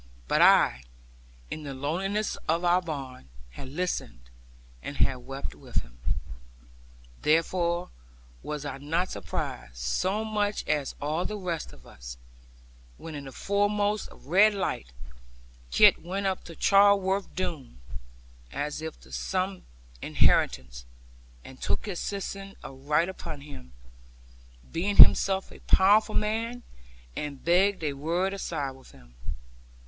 But I, in the loneliness of our barn, had listened, and had wept with him. Therefore was I not surprised, so much as all the rest of us, when, in the foremost of red light, Kit went up to Charleworth Doone, as if to some inheritance; and took his seisin of right upon him, being himself a powerful man; and begged a word aside with him.